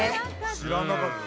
知らなかった。